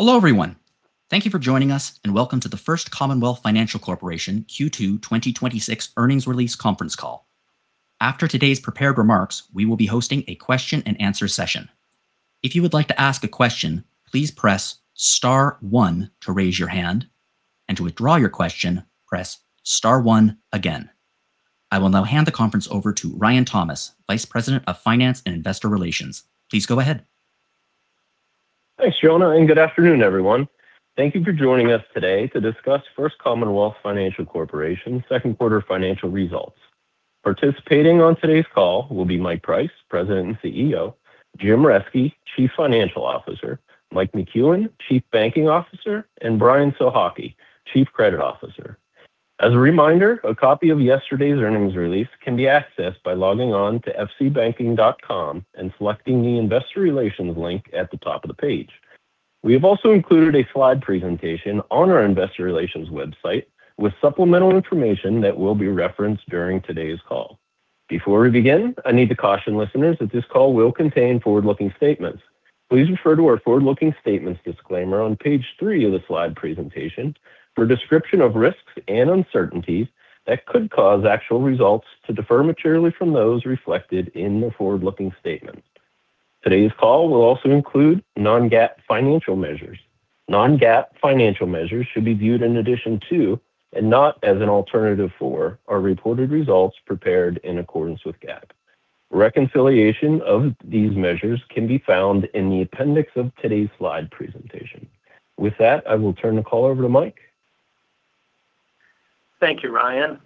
Hello, everyone. Thank you for joining us, and welcome to the First Commonwealth Financial Corporation Q2 2026 earnings release conference call. After today's prepared remarks, we will be hosting a question-and-answer session. If you would like to ask a question, please press star one to raise your hand, and to withdraw your question, press star one again. I will now hand the conference over to Ryan Thomas, Vice President of Finance and Investor Relations. Please go ahead. Thanks, Jonah. Good afternoon, everyone. Thank you for joining us today to discuss First Commonwealth Financial Corporation second quarter financial results. Participating on today's call will be Mike Price, President and Chief Executive Officer, Jim Reske, Chief Financial Officer, Mike McCuen, Chief Banking Officer, and Brian Sohocki, Chief Credit Officer. As a reminder, a copy of yesterday's earnings release can be accessed by logging on to fcbanking.com and selecting the investor relations link at the top of the page. We have also included a slide presentation on our investor relations website with supplemental information that will be referenced during today's call. Before we begin, I need to caution listeners that this call will contain forward-looking statements. Please refer to our forward-looking statements disclaimer on page three of the slide presentation for a description of risks and uncertainties that could cause actual results to differ materially from those reflected in the forward-looking statements. Today's call will also include non-GAAP financial measures. Non-GAAP financial measures should be viewed in addition to, and not as an alternative for, our reported results prepared in accordance with GAAP. Reconciliation of these measures can be found in the appendix of today's slide presentation. With that, I will turn the call over to Mike. Thank you, Ryan.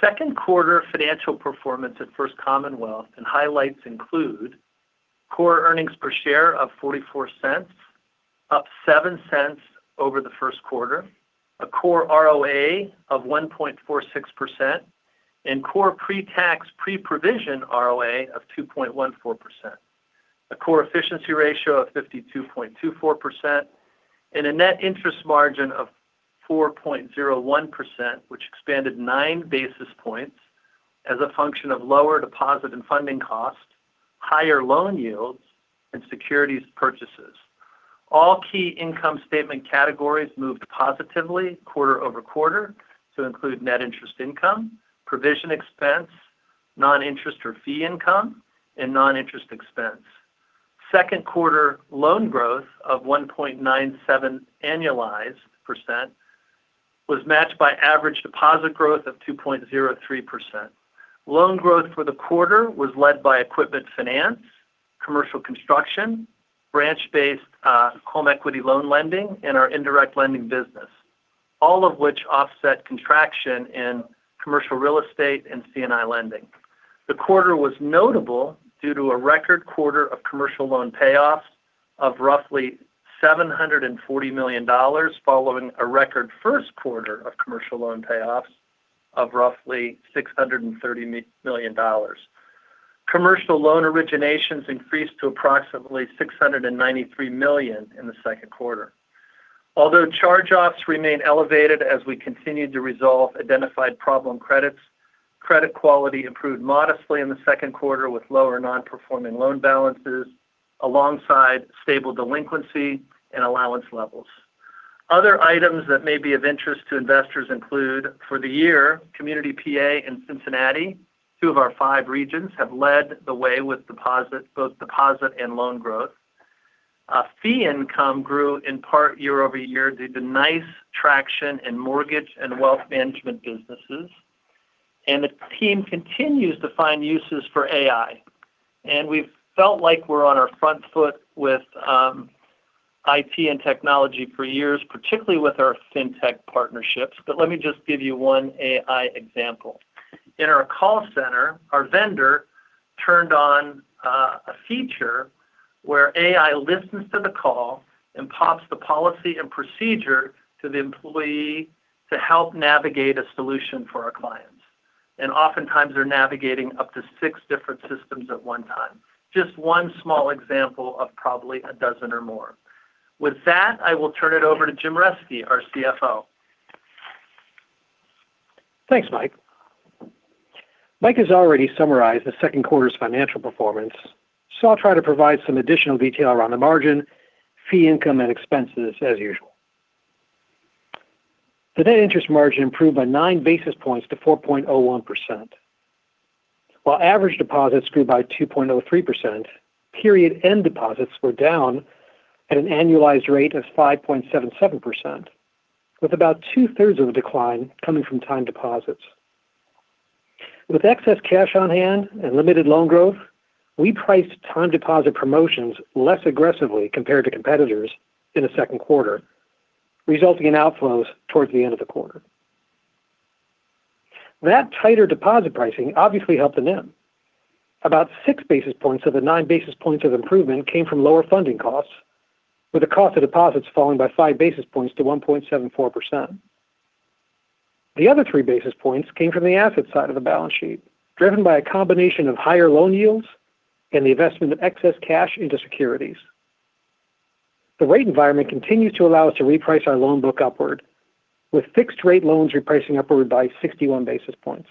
Second quarter financial performance at First Commonwealth and highlights include core EPS of $0.44, up $0.07 over the first quarter, a core ROA of 1.46%, and core pre-tax, pre-provision ROA of 2.14%, a core efficiency ratio of 52.24%, and a net interest margin of 4.01%, which expanded nine basis points as a function of lower deposit and funding costs, higher loan yields, and securities purchases. All key income statement categories moved positively quarter-over-quarter to include net interest income, provision expense, non-interest or fee income, and non-interest expense. Second quarter loan growth of 1.97% annualized was matched by average deposit growth of 2.03%. Loan growth for the quarter was led by equipment finance, commercial construction, branch-based HELoan lending, and our indirect lending business. All of which offset contraction in CRE and C&I lending. The quarter was notable due to a record quarter of commercial loan payoffs of roughly $740 million, following a record first quarter of commercial loan payoffs of roughly $630 million. Commercial loan originations increased to approximately $693 million in the second quarter. Although charge-offs remain elevated as we continue to resolve identified problem credits, credit quality improved modestly in the second quarter with lower non-performing loan balances alongside stable delinquency and allowance levels. Other items that may be of interest to investors include for the year, Community PA and Cincinnati, two of our five regions, have led the way with both deposit and loan growth. Fee income grew in part year-over-year due to nice traction in mortgage and wealth management businesses. The team continues to find uses for AI. We've felt like we're on our front foot with IT and technology for years, particularly with our fintech partnerships. Let me just give you one AI example. In our call center, our vendor turned on a feature where AI listens to the call and pops the policy and procedure to the employee to help navigate a solution for our clients. Oftentimes they're navigating up to six different systems at one time. Just one small example of probably a dozen or more. With that, I will turn it over to Jim Reske, our CFO. Thanks, Mike. Mike has already summarized the second quarter's financial performance, I'll try to provide some additional detail around the margin, fee income, and expenses as usual. The net interest margin improved by nine basis points to 4.01%. While average deposits grew by 2.03%, period end deposits were down at an annualized rate of 5.77%, with about two-thirds of the decline coming from time deposits. With excess cash on hand and limited loan growth, we priced time deposit promotions less aggressively compared to competitors in the second quarter, resulting in outflows towards the end of the quarter. That tighter deposit pricing obviously helped a NIM. About six basis points of the nine basis points of improvement came from lower funding costs, with the cost of deposits falling by five basis points to 1.74%. The other three basis points came from the asset side of the balance sheet, driven by a combination of higher loan yields and the investment of excess cash into securities. The rate environment continues to allow us to reprice our loan book upward, with fixed-rate loans repricing upward by 61 basis points.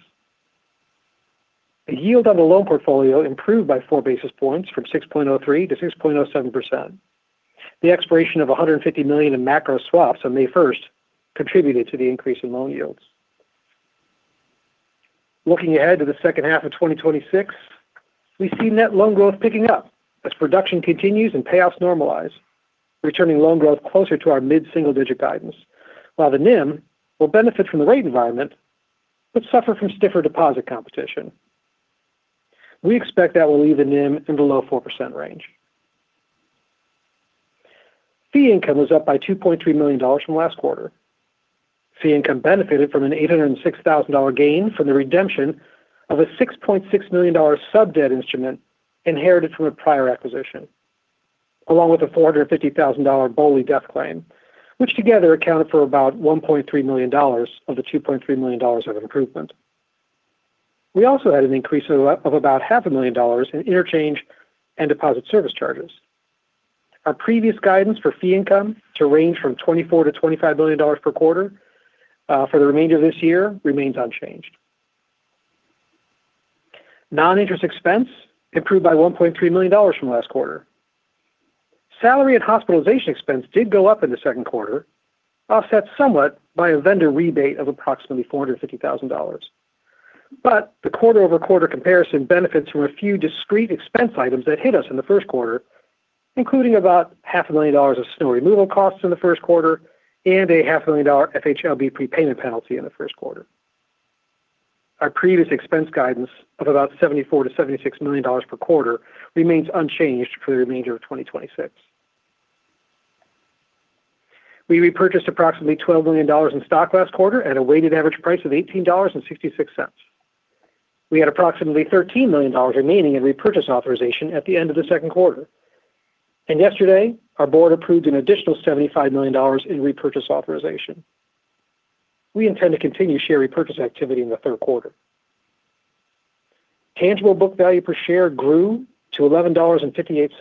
The yield on the loan portfolio improved by four basis points from 6.03%-6.07%. The expiration of $150 million in macro swaps on May 1st contributed to the increase in loan yields. Looking ahead to the second half of 2026, we see net loan growth picking up as production continues and payoffs normalize, returning loan growth closer to our mid-single-digit guidance, while the NIM will benefit from the rate environment but suffer from stiffer deposit competition. We expect that will leave the NIM in the low 4% range. Fee income was up by $2.3 million from last quarter. Fee income benefited from an $806,000 gain from the redemption of a $6.6 million sub-debt instrument inherited from a prior acquisition, along with a $450,000 BOLI death claim, which together accounted for about $1.3 million of the $2.3 million of improvement. We also had an increase of about half a million dollars in interchange and deposit service charges. Our previous guidance for fee income to range from $24 to $25 million per quarter for the remainder of this year remains unchanged. Non-interest expense improved by $1.3 million from last quarter. Salary and hospitalization expense did go up in the second quarter, offset somewhat by a vendor rebate of approximately $450,000. The quarter-over-quarter comparison benefits from a few discrete expense items that hit us in the first quarter, including about half a million dollars of snow removal costs in the first quarter and a half-a-million-dollar FHLB prepayment penalty in the first quarter. Our previous expense guidance of about $74 to $76 million per quarter remains unchanged for the remainder of 2026. We repurchased approximately $12 million in stock last quarter at a weighted average price of $18.66. We had approximately $13 million remaining in repurchase authorization at the end of the second quarter. Yesterday, our board approved an additional $75 million in repurchase authorization. We intend to continue share repurchase activity in the third quarter. Tangible book value per share grew to $11.58,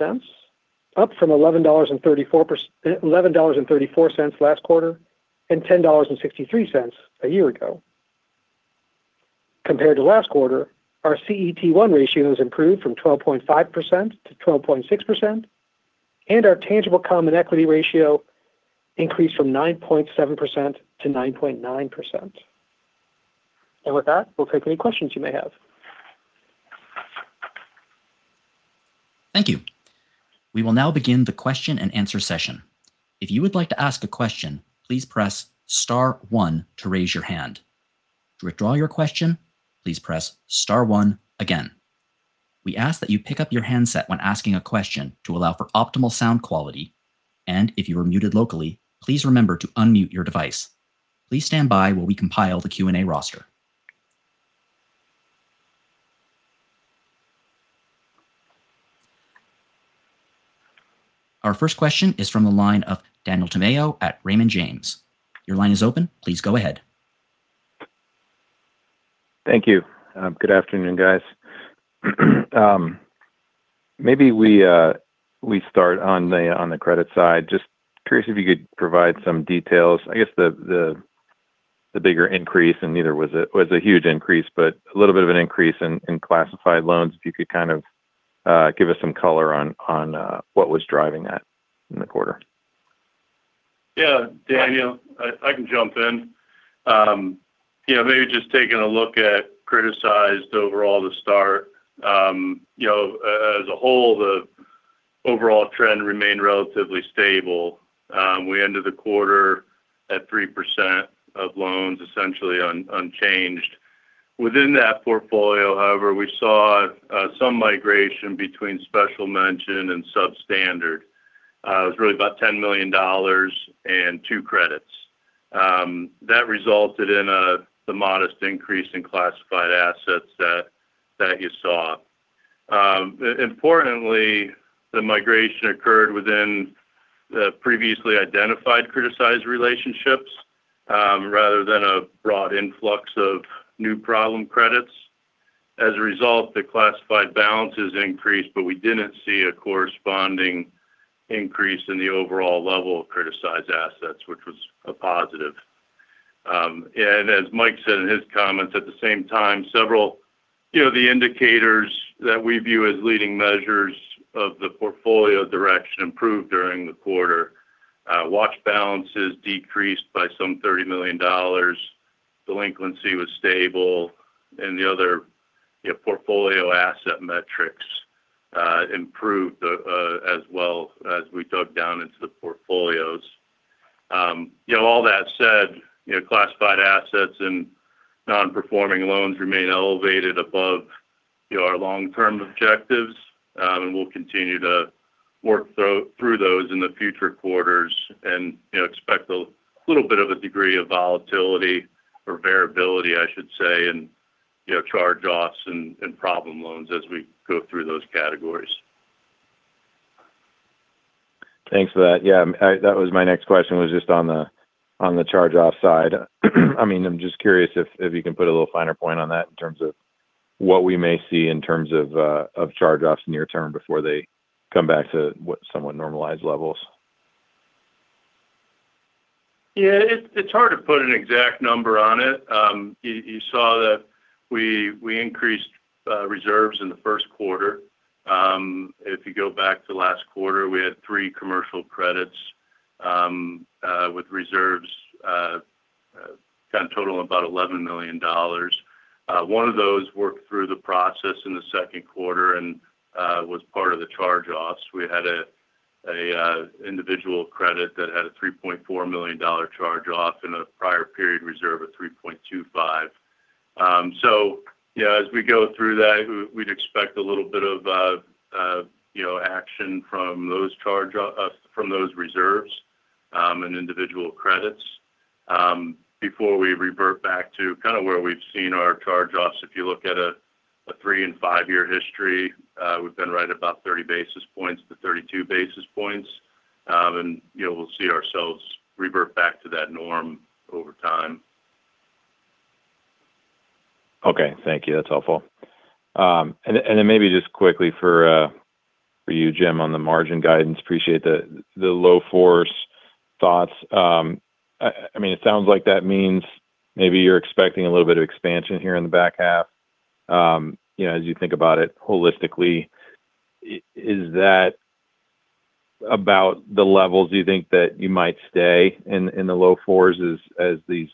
up from $11.34 last quarter and $10.63 a year ago. Compared to last quarter, our CET1 ratio has improved from 12.5% to 12.6%, and our tangible common equity ratio increased from 9.7% to 9.9%. With that, we'll take any questions you may have. Thank you. We will now begin the question-and-answer session. If you would like to ask a question, please press star one to raise your hand. To withdraw your question, please press star one again. We ask that you pick up your handset when asking a question to allow for optimal sound quality, and if you are muted locally, please remember to unmute your device. Please stand by while we compile the Q&A roster. Our first question is from the line of Daniel Tamayo at Raymond James. Your line is open. Please go ahead. Thank you. Good afternoon, guys. Maybe we start on the credit side. Just curious if you could provide some details. I guess the bigger increase, and neither was a huge increase, but a little bit of an increase in classified loans. If you could kind of give us some color on what was driving that in the quarter. Yeah. Daniel, I can jump in. Maybe just taking a look at criticized overall to start. As a whole, the overall trend remained relatively stable. We ended the quarter at 3% of loans, essentially unchanged. Within that portfolio, however, we saw some migration between special mention and substandard. It was really about $10 million and two credits. That resulted in the modest increase in classified assets that you saw. Importantly, the migration occurred within the previously identified criticized relationships, rather than a broad influx of new problem credits. As a result, the classified balances increased, but we didn't see a corresponding increase in the overall level of criticized assets, which was a positive. As Mike said in his comments, at the same time, several indicators that we view as leading measures of the portfolio direction improved during the quarter. Watch balances decreased by some $30 million. Delinquency was stable, and the other portfolio asset metrics improved as well as we dug down into the portfolios. All that said, classified assets and non-performing loans remain elevated above our long-term objectives, and we'll continue to work through those in the future quarters and expect a little bit of a degree of volatility or variability, I should say, in charge-offs and problem loans as we go through those categories. Thanks for that. Yeah, that was my next question, was just on the charge-off side. I'm just curious if you can put a little finer point on that in terms of what we may see in terms of charge-offs near term before they come back to somewhat normalized levels. Yeah, it's hard to put an exact number on it. You saw that we increased reserves in the first quarter. If you go back to last quarter, we had three commercial credits with reserves, kind of total about $11 million. One of those worked through the process in the second quarter and was part of the charge-offs. We had a individual credit that had a $3.4 million charge-off and a prior period reserve of $3.25. Yeah, as we go through that, we'd expect a little bit of action from those reserves, and individual credits, before we revert back to kind of where we've seen our charge-offs. If you look at a three and five-year history, we've been right about 30 basis points to 32 basis points. We'll see ourselves revert back to that norm over time. Okay. Thank you. That's helpful. Then maybe just quickly for you, Jim, on the margin guidance. Appreciate the low fours thoughts. It sounds like that means maybe you're expecting a little bit of expansion here in the back half. As you think about it holistically, is that about the levels you think that you might stay in the low fours as these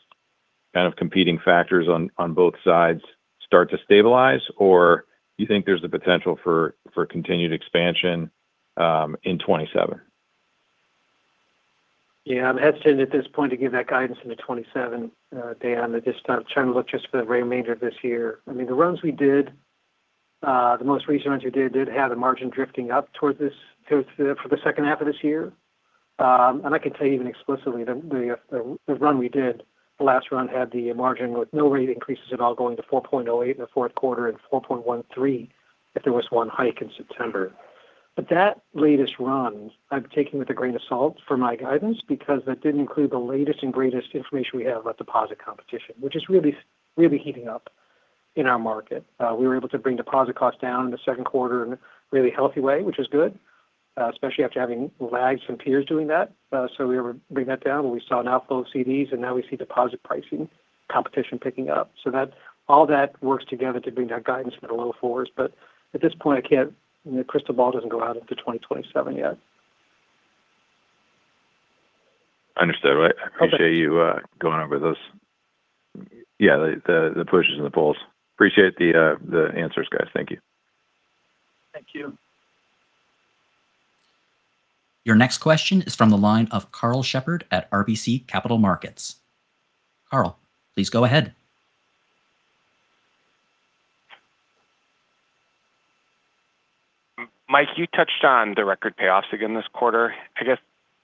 kinds of competing factors on both sides start to stabilize? Or you think there's the potential for continued expansion in 2027? Yeah. I'm hesitant at this point to give that guidance into 2027, Dan. I'm just trying to look just for the remainder of this year. The runs we did, the most recent ones we did had the margin drifting up for the second half of this year. I can tell you even explicitly the run we did, the last run had the margin with no rate increases at all going to 4.08% in the fourth quarter and 4.13% if there was one hike in September. That latest run I'm taking with a grain of salt for my guidance because that didn't include the latest and greatest information, we have about deposit competition, which is really heating up in our market. We were able to bring deposit costs down in the second quarter in a really healthy way, which is good, especially after having lagged some peers doing that. We were able to bring that down when we saw an outflow of CDs, and now we see deposit pricing competition picking up. All that works together to bring that guidance into the low fours. At this point, the crystal ball doesn't go out into 2027 yet. Understood. Right. Okay. I appreciate you going over those. Yeah, the pushes and the pulls. Appreciate the answers, guys. Thank you. Thank you. Your next question is from the line of Karl Shepard at RBC Capital Markets. Karl, please go ahead. Mike, you touched on the record payoffs again this quarter. I guess,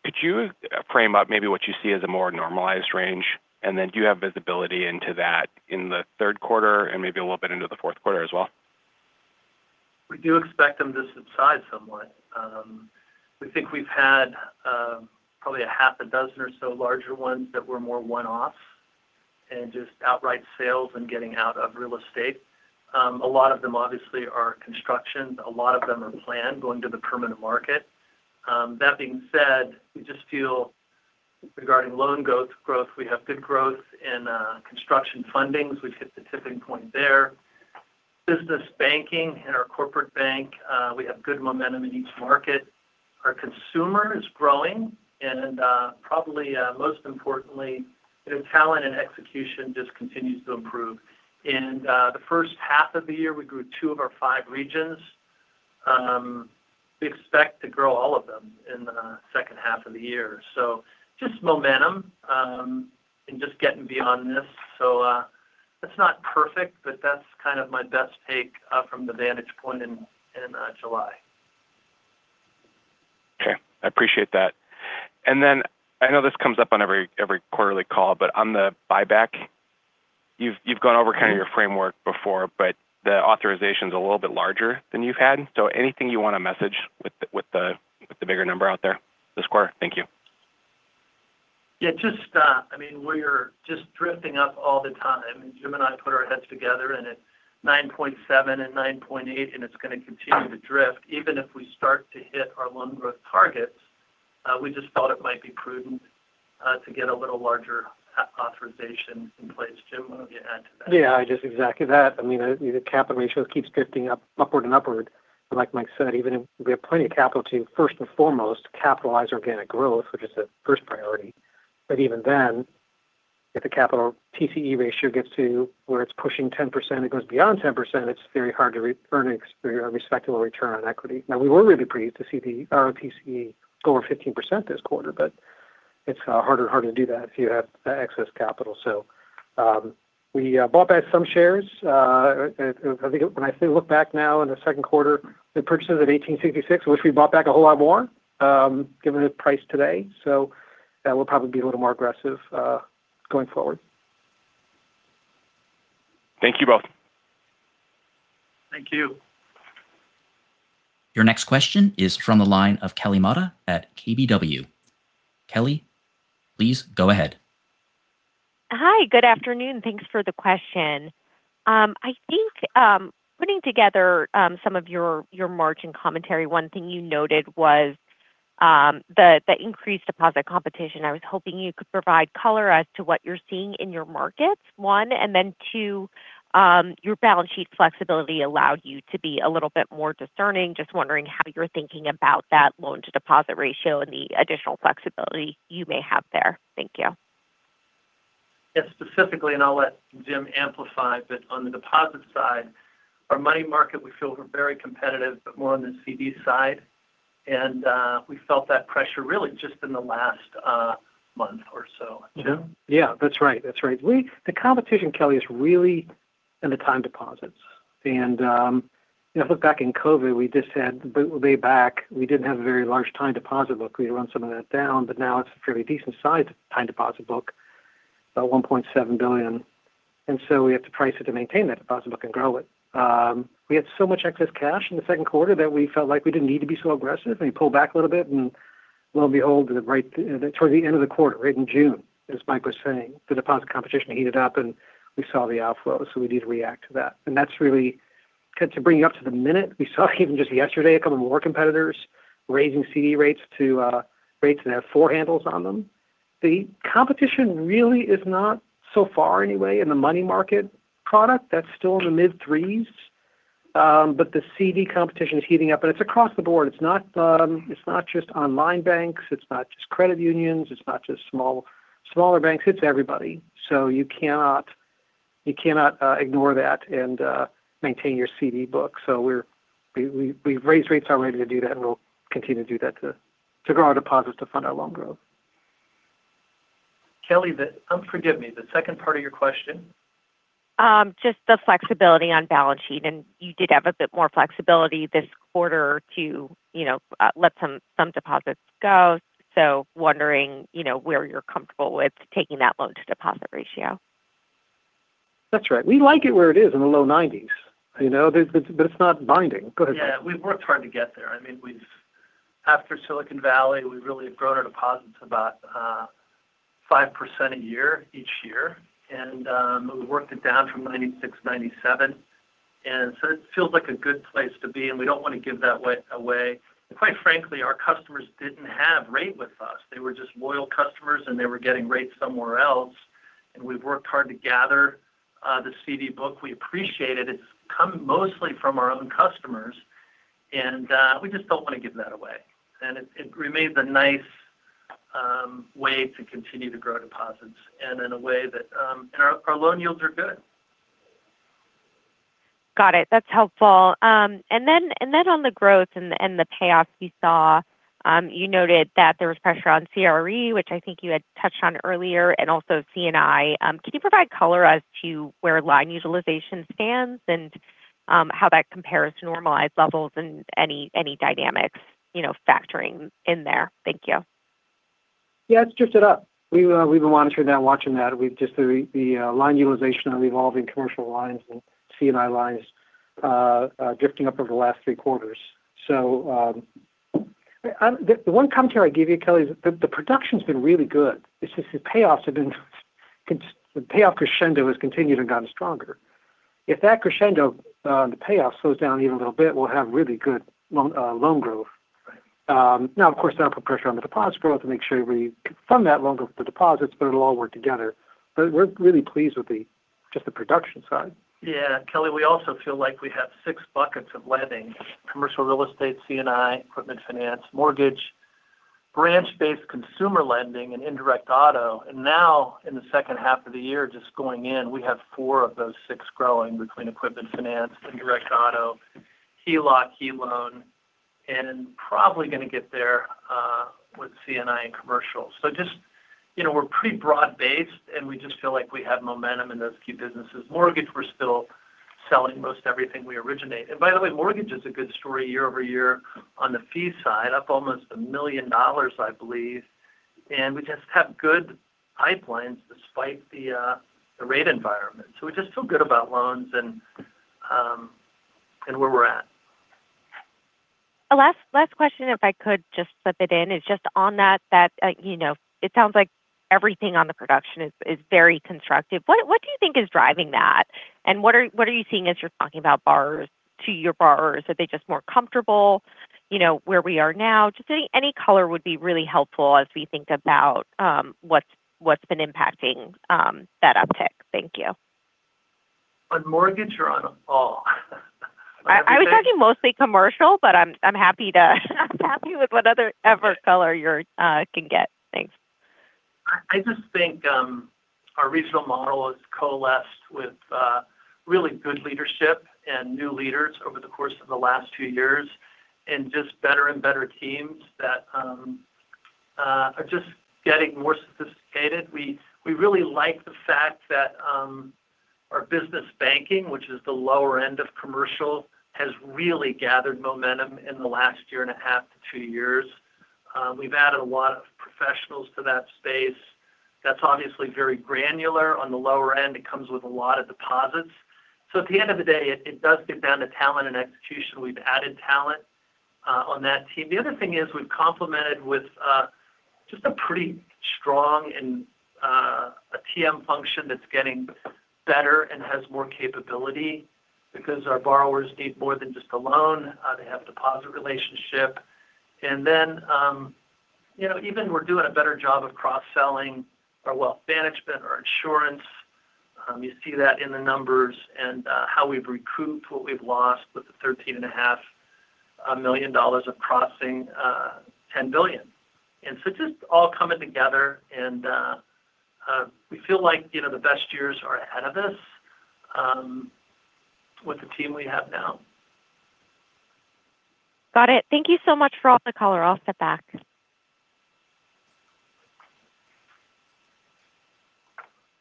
could you frame up maybe what you see as a more normalized range? Do you have visibility into that in the third quarter and maybe a little bit into the fourth quarter as well? We do expect them to subside somewhat. We think we've had probably a half a dozen or so larger ones that were more one-offs and just outright sales and getting out of real estate. A lot of them obviously are construction. A lot of them are planned going to the permanent market. That being said, we just feel regarding loan growth, we have good growth in construction fundings. We've hit the tipping point there. Business banking in our corporate bank, we have good momentum in each market. Our consumer is growing and probably most importantly, talent and execution just continue to improve. The first half of the year, we grew two of our five regions. We expect to grow all of them in the second half of the year. Just momentum and just getting beyond this. It's not perfect, but that's kind of my best take from the vantage point in July. Okay. I appreciate that. I know this comes up on every quarterly call, on the buyback, you've gone over kind of your framework before, the authorization's a little bit larger than you've had. Anything you want to message with the bigger number out there this quarter? Thank you. Yeah. We're just drifting up all the time. Jim and I put our heads together, and it's 9.7% and 9.8%, and it's going to continue to drift even if we start to hit our loan growth targets. We just thought it might be prudent to get a little larger authorization in place. Jim, why don't you add to that? Yeah, just exactly that. The capital ratio keeps drifting upward and upward. Like Mike said, even if we have plenty of capital to first and foremost capitalize organic growth, which is the first priority. Even then, if the capital TCE ratio gets to where it's pushing 10%, it goes beyond 10%, it's very hard to earn a respectable return on equity. Now we were really pleased to see our TCE go over 15% this quarter. It's harder and harder to do that if you have excess capital. We bought back some shares. I think when I look back now in the second quarter, we purchased it at $18.66. I wish we bought back a whole lot more given the price today. That we'll probably be a little more aggressive going forward. Thank you both. Thank you. Your next question is from the line of Kelly Motta at KBW. Kelly, please go ahead. Hi. Good afternoon. Thanks for the question. I think putting together some of your margin commentary, one thing you noted was the increased deposit competition. I was hoping you could provide color as to what you're seeing in your markets, one. Two, your balance sheet flexibility allowed you to be a little bit more discerning. Just wondering how you're thinking about that loan-to-deposit ratio and the additional flexibility you may have there. Thank you. Yes, specifically, and I'll let Jim amplify, but on the deposit side, our money market, we feel we're very competitive, but more on the CD side. We felt that pressure really just in the last month or so. Jim? Yeah. That's right. The competition, Kelly, is really in the time deposits. If I look back in COVID, we just had. [inaudible] We didn't have a very large time deposit book. We had run some of that down, but now it's a fairly decent size time deposit book, about $1.7 billion. We had so much excess cash in the second quarter that we felt like we didn't need to be so aggressive, and we pulled back a little bit, and lo and behold, towards the end of the quarter, right in June, as Mike was saying, the deposit competition heated up and we saw the outflow so we need to react to that. To bring you up to the minute, we saw even just yesterday a couple of more competitors raising CD rates to have four handles on them. The competition really is not so far anyway in the money market product. That's still in the mid threes. The CD competition is heating up, and it's across the board. It's not just online banks, it's not just credit unions, it's not just smaller banks, it's everybody. You cannot ignore that and maintain your CD book. We've raised rates already to do that, and we'll continue to do that to grow our deposits to fund our loan growth. Kelly, forgive me, the second part of your question? Just the flexibility on balance sheet, and you did have a bit more flexibility this quarter to let some deposits go. Wondering where you're comfortable with taking that loan to deposit ratio. That's right. We like it where it is, in the low 90s. It's not binding. Go ahead. Yeah. We've worked hard to get there. After Silicon Valley, we've really grown our deposits about 5% a year each year. We've worked it down from 96, 97. It feels like a good place to be, and we don't want to give that away. Quite frankly, our customers didn't have rate with us. They were just loyal customers, and they were getting rates somewhere else. We've worked hard to gather the CD book. We appreciate it. It's come mostly from our own customers, and we just don't want to give that away. It remains a nice way to continue to grow deposits, and our loan yields are good. Got it. That's helpful. On the growth and the payoffs, you saw, you noted that there was pressure on CRE, which I think you had touched on earlier, and also C&I. Can you provide color as to where line utilization stands and how that compares to normalized levels and any dynamics factoring in there? Thank you. Yeah, it's drifted up. We've been monitoring that and watching that. Just the line utilization on revolving commercial lines and C&I lines drifting up over the last three quarters. The one commentary I'd give you, Kelly, is the production's been really good. It's just the payoff crescendo has continued and gotten stronger. If that crescendo, the payoff slows down even a little bit, we'll have really good loan growth. Right. Now, of course, that'll put pressure on the deposit growth to make sure we fund that loan growth with deposits, but it'll all work together. We're really pleased with just the production side. Kelly, we also feel like we have six buckets of lending: commercial real estate, C&I, equipment finance, mortgage, branch-based consumer lending, and indirect auto. Now, in the second half of the year, just going in, we have four of those six growing between equipment finance, indirect auto, HELOC, HELoan, and probably going to get there with C&I and commercial. Just we're pretty broad-based, and we just feel like we have momentum in those key businesses. Mortgage, we're still selling most everything we originate. By the way, mortgage is a good story year-over-year on the fee side, up almost $1 million, I believe. We just have good pipelines despite the rate environment. We just feel good about loans and where we're at. Last question, if I could just slip it in, is just on that, it sounds like everything on the production is very constructive. What do you think is driving that? What are you seeing as you're talking about borrowers to your borrowers? Are they just more comfortable where we are now? Just any color would be really helpful as we think about what's been impacting that uptick. Thank you. On mortgage or on all? I was talking mostly commercial, but I'm happy with whatever color you can get. Thanks. I just think our regional model has coalesced with really good leadership and new leaders over the course of the last two years, just better and better teams that are just getting more sophisticated. We really like the fact that our business banking, which is the lower end of commercial, has really gathered momentum in the last year and a half to two years. We've added a lot of professionals to that space. That's obviously very granular. On the lower end, it comes with a lot of deposits. At the end of the day, it does get down to talent and execution. We've added talent on that team. The other thing is we've complemented with just a pretty strong TM function that's getting better and has more capability because our borrowers need more than just a loan. They have a deposit relationship. Even we're doing a better job of cross-selling our wealth management, our insurance. You see that in the numbers and how we've recouped what we've lost with the $13.5 million of crossing $10 billion. It's just all coming together and we feel like the best years are ahead of us with the team we have now. Got it. Thank you so much for all the color. I'll step back.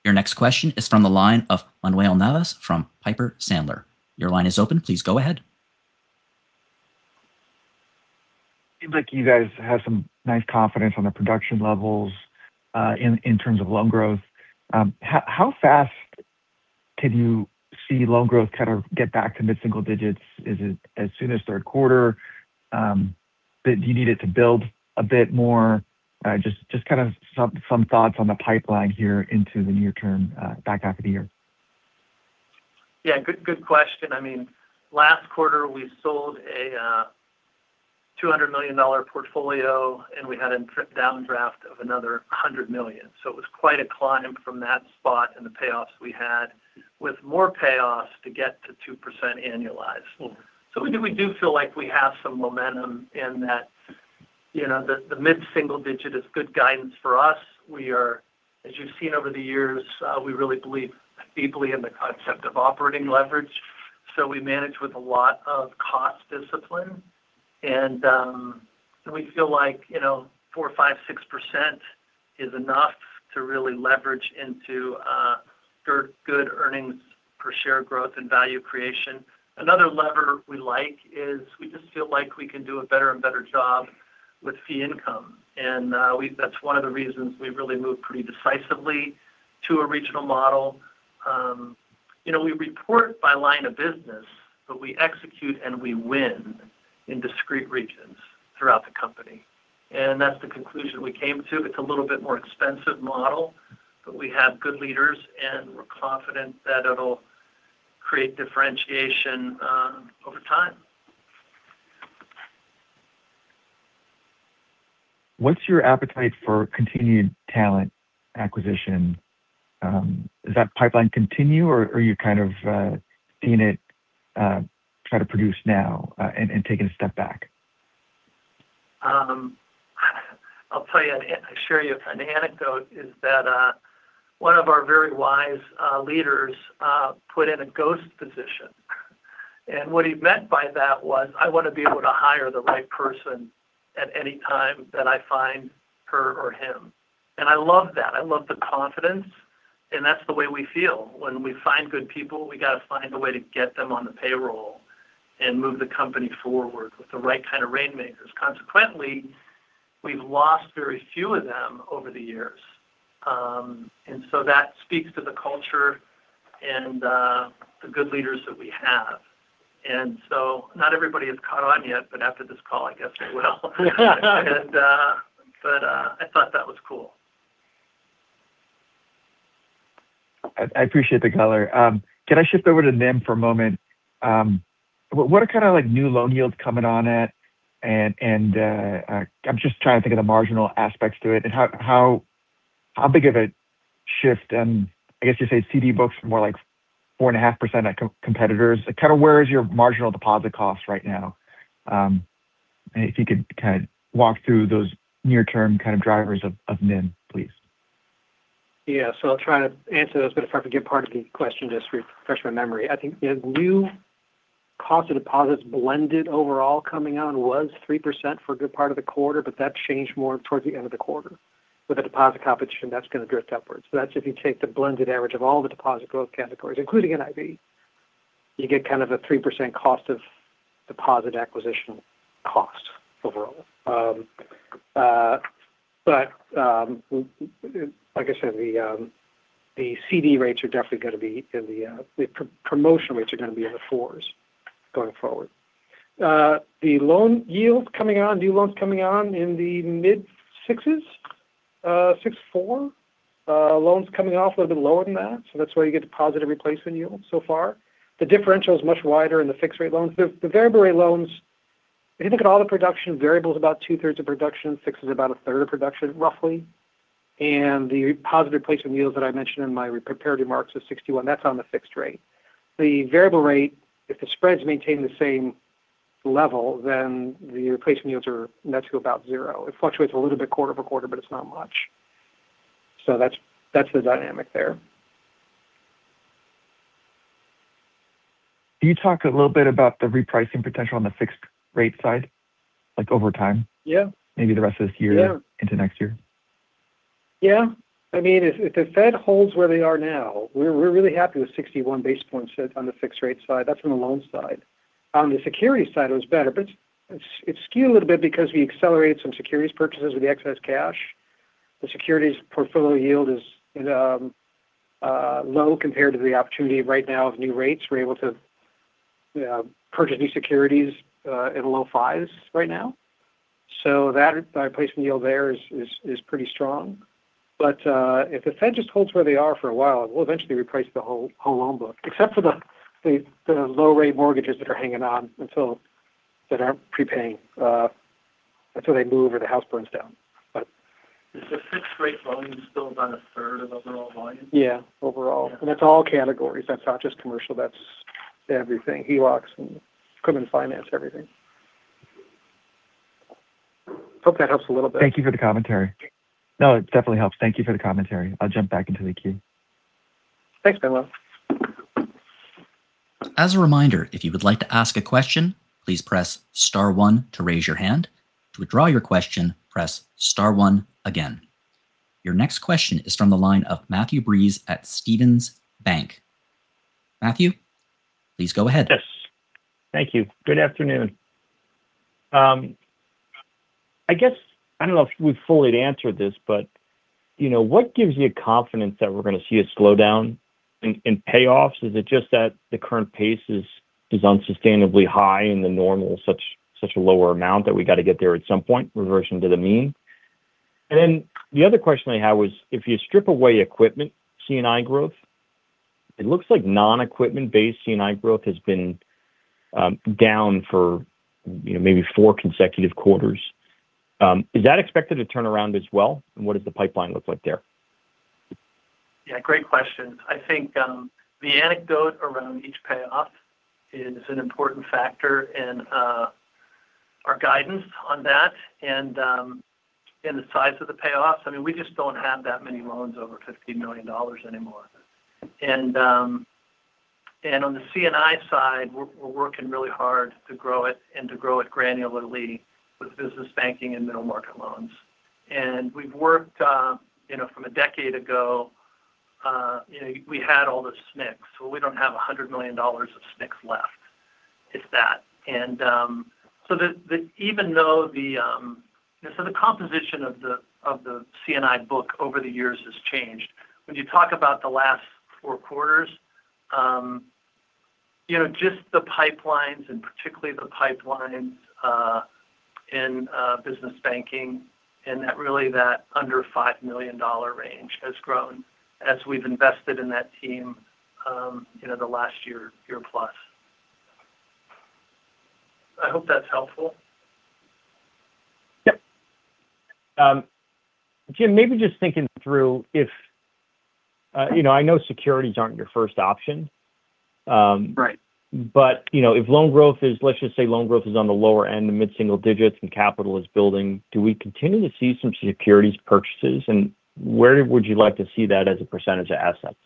Your next question is from the line of Manuel Navas from Piper Sandler. Your line is open. Please go ahead. Seems like you guys have some nice confidence on the production levels in terms of loan growth. How fast can you see loan growth kind of get back to mid-single digits? Is it as soon as third quarter? Do you need it to build a bit more? Just kind of some thoughts on the pipeline here into the near term, back half of the year. Yeah. Good question. Last quarter, we sold a $200 million portfolio, and we had a down draft of another $100 million. It was quite a climb from that spot in the payoffs we had with more payoffs to get to 2% annualized. Cool. We do feel like we have some momentum in that the mid-single digit is good guidance for us. As you've seen over the years, we really believe deeply in the concept of operating leverage. We manage with a lot of cost discipline, and we feel like 4%, 5%, 6% is enough to really leverage into good earnings per share growth and value creation. Another lever we like is we just feel like we can do a better and better job with fee income. That's one of the reasons we've really moved pretty decisively to a regional model. We report by line of business, but we execute and we win in discrete regions throughout the company. That's the conclusion we came to. It's a little bit more expensive model, but we have good leaders, and we're confident that it'll create differentiation over time. What's your appetite for continued talent acquisition? Does that pipeline continue, or are you kind of seeing it try to produce now and taking a step back? I'll share you an anecdote, is that one of our very wise leaders put in a ghost position. What he meant by that was, "I want to be able to hire the right person at any time that I find her or him." I love that. I love the confidence. That's the way we feel. When we find good people, we've got to find a way to get them on the payroll and move the company forward with the right kind of rainmakers. Consequently, we've lost very few of them over the years. That speaks to the culture and the good leaders that we have. Not everybody has caught on yet, but after this call, I guess they will. I thought that was cool. I appreciate the color. Can I shift over to NIM for a moment? What are kind of new loan yields coming on at? I'm just trying to think of the marginal aspects to it and how big of a shift, I guess you say CD books more like 4.5% at competitors. Where is your marginal deposit cost right now? If you could kind of walk through those near-term kind of drivers of NIM, please. Yeah. I'll try to answer this, if I forget part of the question, just refresh my memory. I think the new cost of deposits blended overall coming on was 3% for a good part of the quarter, that changed more towards the end of the quarter. With the deposit competition, that's going to drift upwards. That's if you take the blended average of all the deposit growth categories, including NIB. You get kind of a 3% cost of deposit acquisition cost overall. Like I said, the CD rates are definitely going to be in the promotion rates are going to be in the fours going forward. The loan yield coming on, new loans coming on in the mid sixes, 64. Loans coming off a little bit lower than that's why you get deposit and replacement yield so far. The differential is much wider in the fixed rate loans. The variable rate loans, if you look at all the production, variable's about two-thirds of production, fixed is about a third of production, roughly. The positive replacement yields that I mentioned in my prepared remarks of 61, that's on the fixed rate. The variable rate, if the spreads maintain the same level, the replacement yields are net to about zero. It fluctuates a little bit quarter-over-quarter, it's not much. That's the dynamic there. Can you talk a little bit about the repricing potential on the fixed rate side over time? Yeah. Maybe the rest of this year- Yeah into next year? Yeah. If the Fed holds where they are now, we're really happy with 61 basis points on the fixed rate side. That's on the loan side. On the security side, it was better, but it's skewed a little bit because we accelerated some securities purchases with the excess cash The securities portfolio yield is low compared to the opportunity right now of new rates. We're able to purchase new securities in the low fives right now. That replacement yield there is pretty strong. If the Fed just holds where they are for a while, we'll eventually reprice the whole loan book, except for the low-rate mortgages that are hanging on until that aren't prepaying, until they move or the house burns down. Is the fixed rate volume still about a third of overall volume? Yeah, overall. Yeah. It's all categories. That's not just commercial, that's everything. HELOCs and equipment finance, everything. Hope that helps a little bit. Thank you for the commentary. No, it definitely helps. Thank you for the commentary. I'll jump back into the queue. Thanks, Manuel. As a reminder, if you would like to ask a question, please press star one to raise your hand. To withdraw your question, press star one again. Your next question is from the line of Matthew Breese at Stephens. Matthew, please go ahead. Yes. Thank you. Good afternoon. I guess, I don't know if you've fully answered this, but what gives you confidence that we're going to see a slowdown in payoffs? Is it just that the current pace is unsustainably high in the normal, such a lower amount that we got to get there at some point, reversion to the mean? The other question I have was, if you strip away equipment C&I growth, it looks like non-equipment-based C&I growth has been down for maybe four consecutive quarters. Is that expected to turn around as well? What does the pipeline look like there? Great question. I think the anecdote around each payoff is an important factor in our guidance on that and the size of the payoffs. We just don't have that many loans over $50 million anymore. On the C&I side, we're working really hard to grow it and to grow it granularly with business banking and middle market loans. We've worked from a decade ago, we had all the SNCs. We don't have $100 million of SNCs left, if that. The composition of the C&I book over the years has changed. When you talk about the last four quarters, just the pipelines and particularly the pipelines in business banking and really that under $5 million range has grown as we've invested in that team the last year plus. I hope that's helpful. Jim, maybe just thinking through I know securities aren't your first option. Right. If loan growth is, let's just say loan growth is on the lower end of mid-single digits and capital is building, do we continue to see some securities purchases? Where would you like to see that as a % of assets?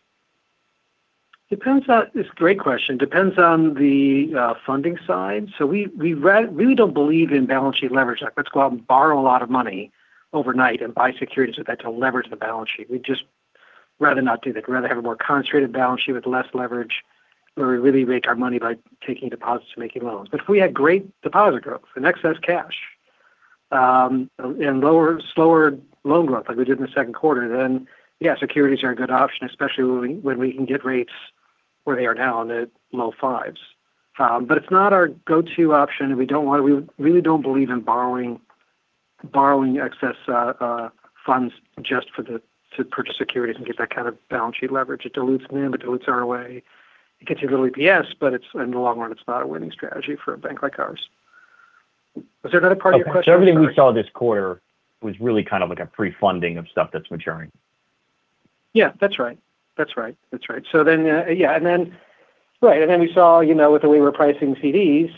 It's a great question. Depends on the funding side. We really don't believe in balance sheet leverage, like let's go out and borrow a lot of money overnight and buy securities with that to leverage the balance sheet. We'd just rather not do that. We'd rather have a more concentrated balance sheet with less leverage where we really make our money by taking deposits and making loans. If we had great deposit growth and excess cash and lower, slower loan growth like we did in the second quarter, then yeah, securities are a good option, especially when we can get rates where they are now in the low fives. It's not our go-to option, and we really don't believe in borrowing excess funds just to purchase securities and get that kind of balance sheet leverage. It dilutes NIM, it dilutes ROE. It gets you a little EPS, in the long run, it's not a winning strategy for a bank like ours. Was there another part of your question? I'm sorry. Everything we saw this quarter was really kind of like a pre-funding of stuff that's maturing. Yeah. That's right. We saw with the way we're pricing CDs;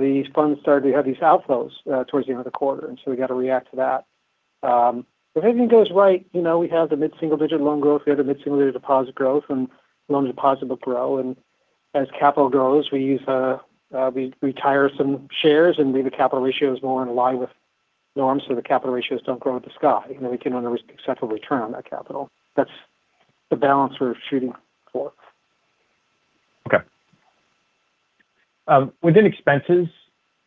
these funds started to have these outflows towards the end of the quarter, we got to react to that. If everything goes right, we have the mid-single-digit loan growth, we have the mid-single-digit deposit growth, loan deposit will grow. As capital grows, we retire some shares, the capital ratio is more in line with norms, the capital ratios don't grow into the sky. We can earn a respectable return on that capital. That's the balance we're shooting for. Okay. Within expenses,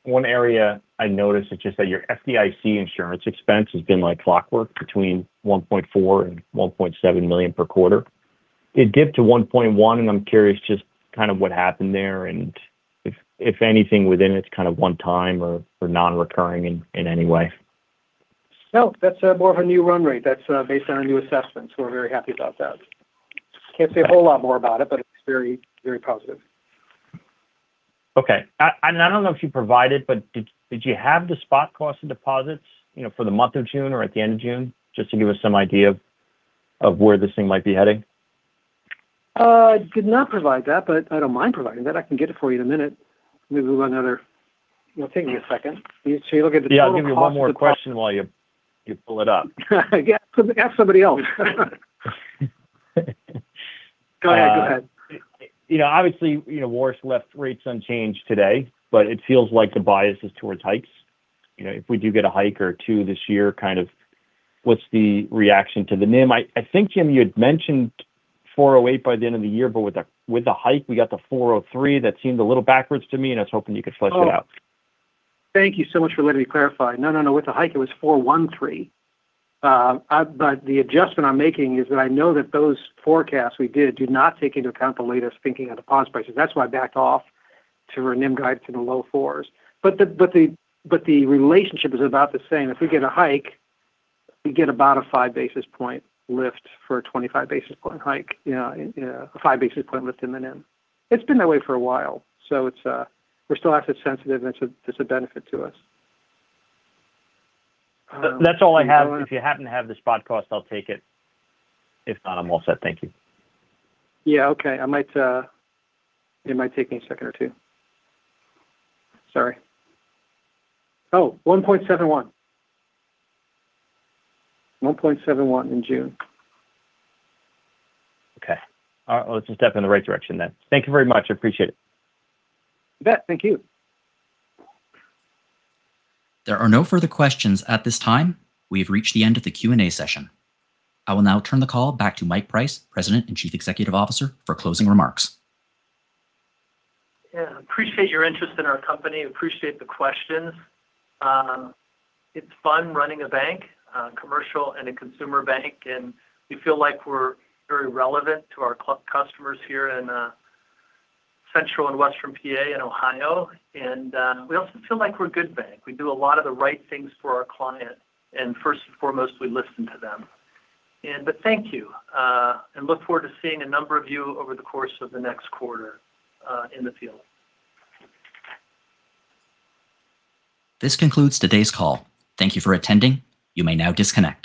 one area I noticed is just that your FDIC insurance expense has been like clockwork between $1.4 million and $1.7 million per quarter. It dipped to $1.1 million, I'm curious just kind of what happened there, if anything within its kind of one time or non-recurring in any way. No, that's more of a new run rate. That's based on our new assessments. We're very happy about that. Can't say a whole lot more about it, but it's very, very positive. Okay. I don't know if you provided, but did you have the spot cost of deposits for the month of June or at the end of June, just to give us some idea of where this thing might be heading? I did not provide that, but I don't mind providing that. I can get it for you in a minute. It'll take me a second. You're looking at the total cost of- Yeah, I'll give you one more question while you pull it up. Yeah. Ask somebody else. Go ahead. Obviously, worst left rates unchanged today, but it feels like the bias is towards hikes. If we do get a hike or two this year, kind of what's the reaction to the NIM? I think, Jim, you had mentioned 408 by the end of the year, but with the hike, we got the 403. That seemed a little backwards to me, and I was hoping you could flesh it out. Oh. Thank you so much for letting me clarify. No, with the hike, it was 413. The adjustment I'm making is that I know that those forecasts we did do not take into account the latest thinking on deposit prices. That's why I backed off to our NIM guide to the low fours. The relationship is about the same. If we get a hike, we get about a five-basis point lift for a 25-basis point hike, a five-basis point lift in the NIM. It's been that way for a while, so we're still asset sensitive, and it's a benefit to us. That's all I have. If you happen to have the spot cost, I'll take it. If not, I'm all set. Thank you. Yeah. Okay. It might take me a second or two. Sorry. Oh, 1.71. 1.71 in June. Okay. All right. Well, it's a step in the right direction then. Thank you very much. I appreciate it. You bet. Thank you. There are no further questions at this time. We have reached the end of the Q&A session. I will now turn the call back to Mike Price, President and Chief Executive Officer, for closing remarks. Yeah. Appreciate your interest in our company. Appreciate the questions. It's fun running a bank, a commercial and a consumer bank. We feel like we're very relevant to our customers here in Central and Western P.A. and Ohio. We also feel like we're a good bank. We do a lot of the right things for our client. First and foremost, we listen to them. Thank you and look forward to seeing a number of you over the course of the next quarter in the field. This concludes today's call. Thank you for attending. You may now disconnect.